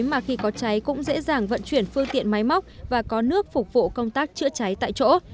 mà khi có cháy cũng dễ dàng vận chuyển phương tiện máy móc và có nước phục vụ công tác chữa cháy tại chỗ